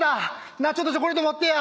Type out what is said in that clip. なあちょっとチョコレート持ってや。